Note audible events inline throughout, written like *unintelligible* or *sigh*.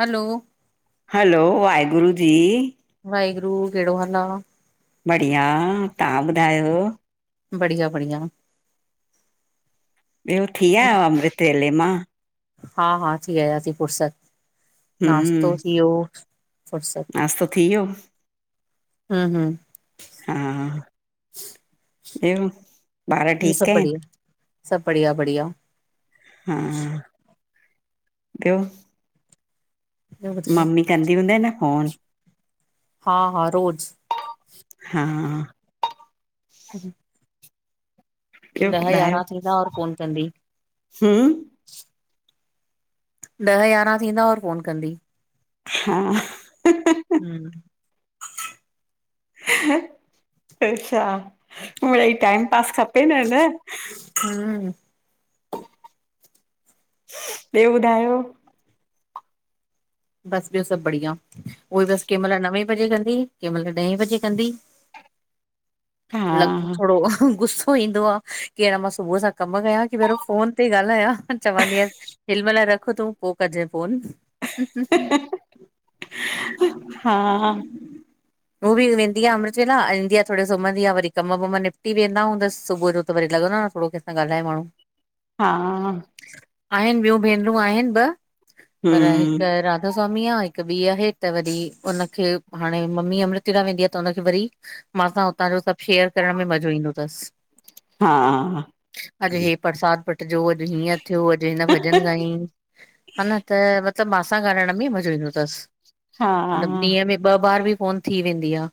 हलो hello, Waheguru ji. Waheguru, कहिड़ो हाल आ? बढ़िया -तव्हां ॿुधायो? बढ़िया- बढ़िया, ॿियो थी आयव अमृत वेले मां, हा -हा, थी आयासीं फुर्सत। हम्म नास्तो थी वियो, सभ- सभ। नाश्तो थी वियो हुं-हुं हा, ॿियो? ॿार ॿियो ठीकु सभु आहिनि बढ़िया, सभु बढ़िया- बढ़िया। हा, ॿियो? ॿियो ॿुधायो मम्मी कंदी हूंद न फोन? हा -हा, रोज़। हा ह्म *inaudible* ॿियो ॿुधायो? यारहं थींदा और फोन कंदी ह्म ॾह यारहां थींदा और फोन कंदी, हा हम् *inaudible* अच्छा मिड़ई टाइम पास खपे न, न। ह्म ॿियो ॿुधायो? बस ॿियो सभु बढिया उहोई बस कंहिंमहल नवें बजे कंदी, कंहिंमहल ॾहें बजे कंदी, हा लग थोड़ो गुस्सो ईंदो आ। कि आन मां सुबुह सां कम कयां कि पहिंरियों फोन ते ॻाल्हायां, चवंदी आहियां हिनमहल रखु तूं पो कजाईं फोन। हम् *inaudible* हा हू बि वेंदी आ अमृत वेला, ईंदी आ थोड़ो सुम्हंदी आ वरी कम वम निपटी वेंदा हूंदसि सुबुह जो त वरी लॻंदो आ न थोड़ो कंहिंसां ॻाल्हाए माण्हू। हा आहिनि ॿियूं भेनरूं आहिनि ॿ पर हिकु हम्म राधा स्वामी आ हिकु ॿी आहे, त वरी हुनखे हाणे मम्मी अमृतेला वेंदी आ त हुनखे वरी मां खां हुतां जो सभु शेयर करण में मज़ो ईंदो तसि। हा -हा, अॼु हे परसाद बटिजो, अॼु हीअं थियो, अॼु हिन भॼन गायईं। हा, न त मतिलबु मां सां ॻालाइण में मज़ो ईंदो अथसि हा मतिलबु ॾींहं में ॿ ॿारि बि फोन थी वेंदी आ।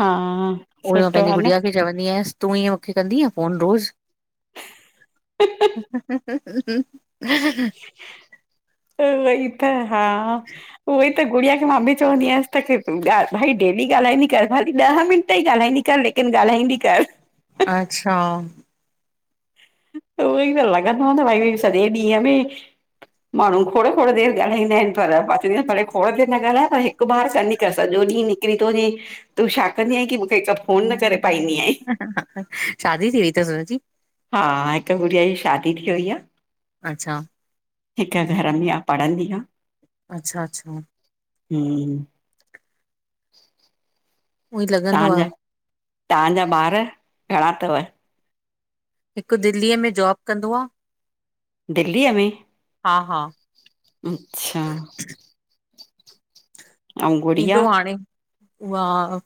हा हुए मां सुठो पंहिंजी आहे न। गुॾिया खे चवंदी आहियास तूं हीअ मूंखे कंदी फोन रोज़। *unintelligible* उहो ई त। हा, उहो ई त गुॾिया खे मां बि चवंदी अयसि तां की भई डेली ॻाल्हाईंदी कर खाली ॾह मिनट त ई ॻाल्हंदी कर लेकिन लेकिन ॻाल्हाईंदी कर। अच्छा। उहो ई न लॻंदो न भई सॼे ॾींहं में माण्हू खोडो-खोडो देरि ॻाल्हाईंदा आहिनि पर अची भले खोडो देरि न ॻाल्हाए पर हिकु हिकु बार कंदी कर सॼो ॾींहुं निकिरी थो वञे तूं छा कंदी आहे की मूंखे हिकु फोन न करे पाईंदी आहे। शादी थी वई अथसि हुनजी? हा, हिकु गुॾिया जी शादी थी वई आ। अच्छा। हिकु घर में आहे पढ़ंदी आ। अच्छा-अच्छा। हम्म। उअई लॻंदो आ। तंजा, तंजा ॿार घणा अथव? हिकु दिल्लीअ में जॉब कंदो आ। दिल्लीअ में? हा-हा। अच्छा। ऐं ईंदो गुड़िया हाणे। उहा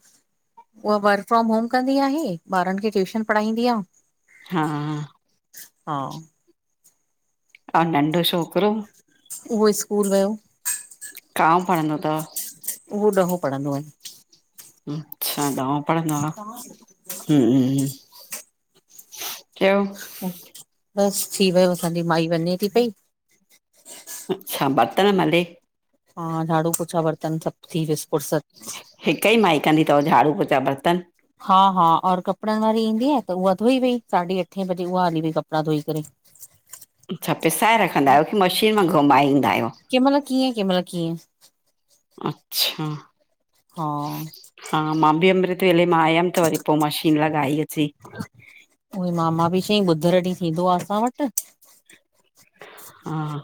उहो वर्क फ्रॉम होम कंदी आहे, ॿारनि खे ट्यूशन पढ़ाईंदी आ। हा। हा। ऐं नंढु छोकरो? उहो स्कूल वियो। कओ पणंदो अथव? उहो ॾहो पढ़ंदो आहे। अच्छा ॾओं पढ़ंदो आ। हम्म। ॿियो बसि थी वियो असांजी माई वञे थी पई। अच्छा, बर्तन मले? हा, झाडू, पोछा, बर्तन सभु थी वियिस फुरसत। हिकु ई माई कंदी अथव झाड़ू पोछा, बर्तन? हा-हा, और कपिड़नि वारी ईंदी आहे त उहा धोई वई साढी अठे बजे उहा हली वई कपिड़ा धोई करे। अच्छा, पिसाए रखंदा आहियो की मशीन मां घुमाएंदा आहियो? के महिल कीअं, के महिल कीअं। अच्छा। हा हा, मां बि अमृत वेले मां आयमि त वरी पोइ मशीन लॻाई अची। उहो मामा बि चईं ॿुधरु ॾींहुं थींदो आहे असां वटि। हा,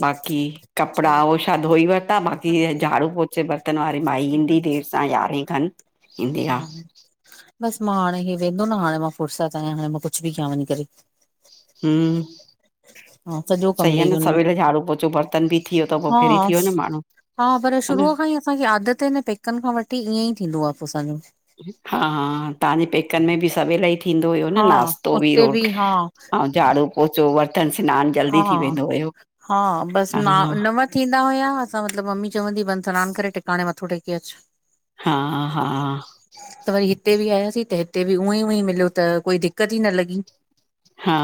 बाकी कपिड़ा उहो छा धोई वठिता बाक़ी झाड़ू -पोछे, बर्तन वारी माई ईंदी देरि सां ग्यारहें खनि। ईंदी आ। बस मां हाणे हे वेंदो न, हाणे मां फुरसत आयां, हाणे मां कुछ भी क्यां वञी करे। हूं हा, सॼो कमु सही आ लही न, वञ सवेल झाड़ू, पोचो, बर्तन भी थी व्यो त हा फिरी थी व्यो न माण्हूं। हा, पर शुरूअ खां ई असांखे आदत ए न पेकन खां वठी ईअंईं थींदो आ पो असांजो। हा हा, तहांजे पेकन में भी सवेल ही थींदो हुयो न हा नास्तो बि उते रो बि हा झाड़ू, पोचो, बर्तन सिनान हा हा, बस ना नंव थींदा हुया, असां मतलब मम्मी चवंदी वन सिनान करे टिकाणे मथो टेके अच। हा हा त वरी, हिते बि आयासीं, त हिते बि ऊअंईं ऊंअंईं मिल्यो त कोई दिक्कत ई न लॻी। हा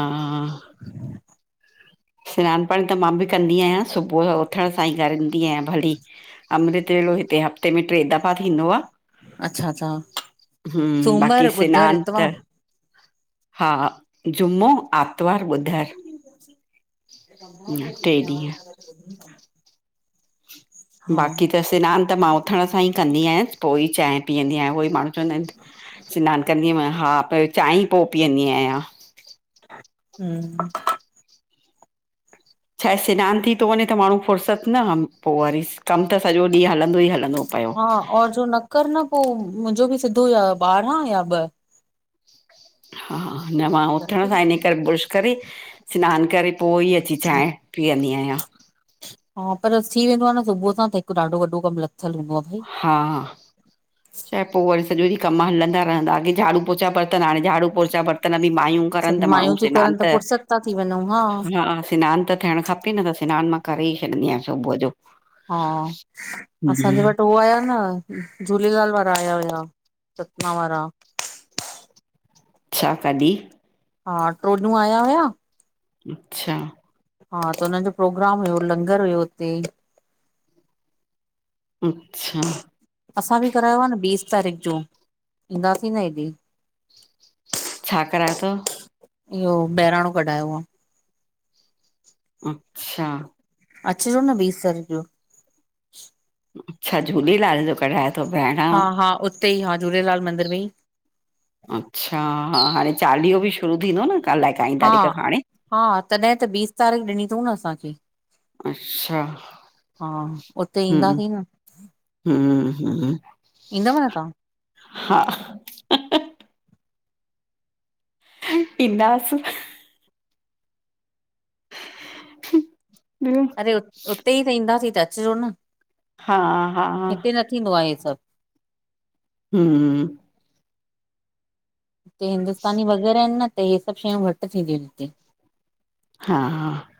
सिनान पाणी त मां बि कंदी आयां, सुभूह जो उथण सां ई करंदी आयां भली अमृतवेलो, हिते हफ़्ते में ट्रे दफ़ा थींदो आ। अच्छा अच्छा हूं, सूमर बाकी ॿुधर सिनान त इतवार हा, जुमो, आतवार, ॿुधर। टे ॾींहं *unintelligible* हा बाक़ी त, सिनान न त मां उथण सां ई कंदी आयांस, पो ई चांय पीअंदी आयां, उओई माण्हूं चवंदा एन सिनान कंदी आं, मां च्यो हा, पहिंरों चांय ही पो पीअंदी आयां। हूं छा हे सिनान थी तो वञे त, माण्हूं फुर्सत न, पो वरी कम त सॼो ॾींह हलंदो ई हलंदो पयो। हा, और जो न कर न, पो मुंजो बि सिधो ॿारहां या ॿ। हा, न मां उथण बराबरि। सां इन करे बुर्श करे सिनान करे पो ई, अची चांय पीअंदी आयां। हां, पर थी वेंदो आ न सुबूह सां, त हिक ॾाढो वॾो कम लथल हूंदो आ। हा त पो वरी सॼो ॾींह कम हलंदा रहंदा, अॻे झाड़ू, पोचा, बर्तन हाणे झाड़ू, पोचा, बर्तन बि मायूं। करन सभु त, माण्हूं मायूं थियूं सिनान करनि त, फुर्सत था थी वञूं हा हा सिनान त थियण खपे। उथी, न त सिनान मां करे ई छॾंदी आं सुबूह जो। हा, असांजे हम्म, वट हो आया न, झूलेलाल वारा। आया हुया, सतना वारा। अछा, कॾी? हा, ट्रोॼूं, आया हुया। अच्छा हा, त उनन जो प्रोग्राम हुयो, लंगर हुयो उते। अच्छा असां बि करायो आ न, बीस तारीक जो, ईंदासीं न हेॾे। छा, करायो तव? इहो, बहिराणो कढ़ायो आ। अच्छा अचजो न, बीस तारीक जो। अच्छा, झूलेलाल जो कढ़ायो? हा हा, उते ई हा झूलेलाल मंदिर में ही। अच्छा, हा हाणे चालीहो भी शुरू थींदो न क हा, हा तॾहिं त बीस तारीख़ ॾिनी तऊं न असांखे। अच्छा, हा, उते ईंदासीं न। हुं- हुं, ईंदव न तव्हां हा। इंदासीं *unintelligible* ॿियो अरे उते ई त ईंदा, त अचजो न? हा, हा- हा। हिते न थींदो आहे, हे सभु। हुं। हिते हिंदुस्तानी वग़ैरह आहिनि न, त इहे सभु शयूं घटि थींदियूं आहिनि हिते। हा, हा।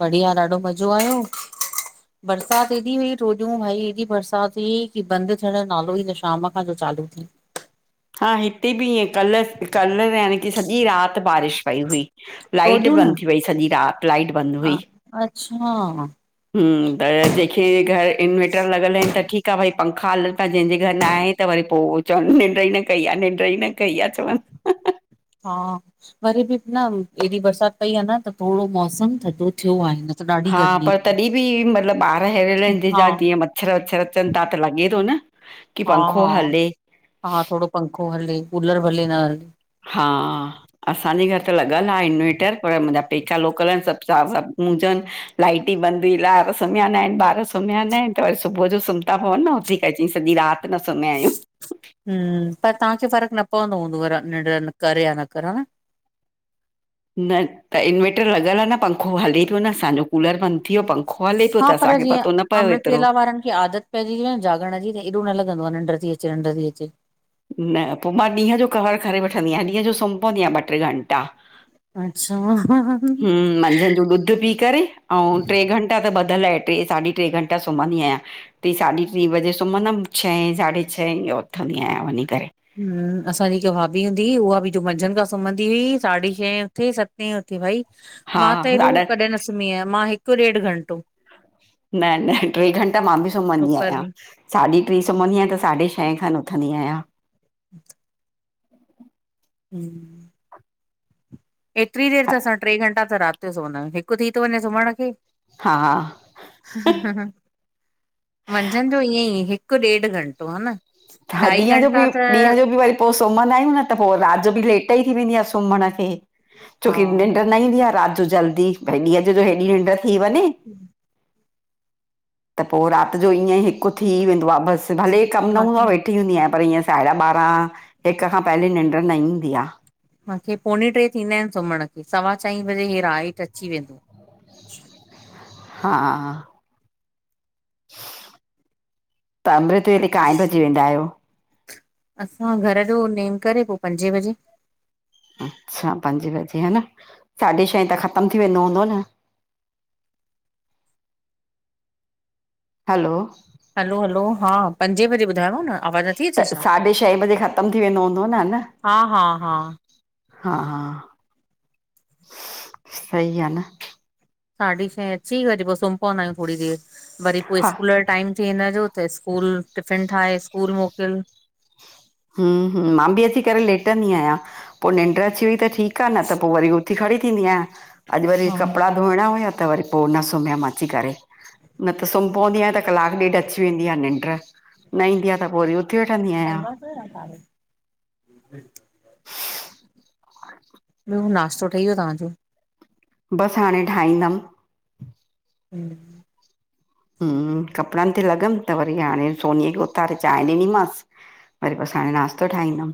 बढ़िया, ॾाढो मज़ो आयो। बरसात एॾी हुई, टियो ॾींहुं भाई हेॾी बरसात हुई कि बंद थियण नालो ई न शाम। चालू थी *unintelligible* हा हिते बि ईअं, कल कल्ह यानी की सॼी राति बारिश पई हुई। लाइट बंदि टियोॾींहं थी वई सॼी रात्, लाइट बंदि न हुई। अच्छा। हुं, त अॼु अची वई त ह एं इनवेटर लॻल आहिनि त ठीकु आहे भई पंखा हल् त जंहिंजे घर न आहे त वरी पोइ, चवनि निंड ई न कई आ, निंड ई न कई आहे चवनि। हा वरी बि न, एॾी बरसाति पई आहे न, त थोरो मौसम थधो थियो आहे न त ॾाढी हा गर्मी पर हुई तॾहिं बि, मतलबु ॿार अरियल हा जा जीअं म *unintelligible* छ चिंता त लॻे थो न कि हा पंखो हा हले। हा थोड़ो पंखो हले, कूलर भले न हले। हा। असांजे घर त लॻलि आहे इनवेटर, पर मुंहिंजा पेका लोकल आहिनि, सभु स हुजनि। *unintelligible* लाइट ई बंदि हुई, ॿार सुम्हिया न आहिनि, ॿार सुम्हिया न आहिनि, त वरी सुबुह जो सुम्ह था पवनि न उथी क अची सॼी रात। न सन्ना आहियूं। हुं, पर तव्हांखे फ़र्क़ु न पवंदो हूंदव निंड्र करे या न कर ह न? न, त इनवेटर लॻल आहे न, पंखो हले प्यो न असांजो, कूलर बंदि थी वियो पंखो हले पियो त हा पर असांखे जीअं, पतो न पियो एतिरो अमृतवेला वारनि खे आदत पइजी वई आहे न जाॻण जी त एॾो न लंदो आहे निंड्र थी अचे निंड्र थी अचे। न पोइ मां ॾींहं जो कवर करे वठंदी आहियां, ॾींहं जो सुम्ही पंदी आहियां ॿ टे घंटा। अच्छा हुं मंझंदि जो ॾुध पी। करे, अऊं टे घंटा त ॿधल आहे, टे साढी टे घंटा सुम्हंदी आहियां त टी साढी टीं बजे सुम्हंदमि, छहें साढे छहें इहें उथंदी आहियां वञी करे। हूं, असांजी हिक भाभी हूंदी हुई, उहा बि जो मंझंदि खां सुम्हंदी हुई साढी छहें उथी, सतनी उथी भई हा मां त हेॾो, साढा कॾहिं न सुम्ही आहियां, मां हिकु ॾेढ घंटो। न- न टे घंटा मां बि सुम्हंदी दोपहर आहियां। में। साढी टीं सुम्हंदी आहियां, त साढे शहें खनि उथंदी आहियां। *inaudible* हुं। एतिरी देरि त असां टे घंटा, त राति जो सुमंदा आहियूं, हिकु थी थो वञे सुम्हण खे। हा। मंझंदि जो ईअं ई, हिकु ॾेढ घंटो हा न? हा ढाई ॾींहं जो घंटा बि, त ॾींहं जो बि वरी पो सुमंदा आहियूं न त पो राति जो बि लेट ई थी वेंदी आहे सुम्हण खे। छो हा कि निंड्र न ईंदी आ राति जो जल्दी। भई ॾींहं जो हेॾी निंड थी वञे। त पोइ राति जो ईअं हिकु थी वेंदो आ। बसि भले कम न हूंदोआ मूंखे मा वेठ तिल्दी आयां पर ईअं साहेड़ा ॿारहां हिक खां पहिले निंड न ईंददी आ। मूंखे पोणे टे थींदा आहिनि सुम्हण खे। सवा चईं बजे हे राइट अची वेंदो। हा। त अमृत। ते काय भजी वेंदा आहियो। असां घर जो नेम करे पोइ पंजे बजे। अच्छा पंजे बजे ह न साढे छहें त ख़तम थी वेंदो हूंदो न? हलो। हलो, हलो हा पंजे बजे ॿुधायो न? आवाज़ नथी त अचे छा? साढे छह बजे ख़त्म थी वेंदो हूंदो न न? हा हा हा हा। हा सही आ न। साढी छहें अची वरी पोइ सुम्ही पवंदा आहियूं थोरी देरि वरी पोइ हा स्कूल टाइम थिए हिनजो त स्कूल टिफ़िन ठाहे स्कूल मोकिल। हुं हुं मां बि अची करे लेटंदी आहियां। पोइ निंड् अची वई त ठीकु आ न त पोइ वरी उथी खड़ी थींदी आहियां। अॼु वरी हा कपिड़ा धोइणा हुया त वरी पोइ न सुमियम अची करे। न त सुम् पोवंदी आहियां त कलाकु ॾेढु अची वेंदी आ निंड् न ईंदी आहे त पोइ ऊथ उथी वठंदी आहियां। बर *unintelligible* तार ॿियो। नास्तो ठही वियो तहांजो? बसि हाणे ठाहींदमि। हम *inaudible* कपिड़नि ते लॻमि त वरी हाणे सोनी खे उथारे चांहि ॾिनीमांसि। वरी बसि हाणे नाश्तो ठाहींदमि।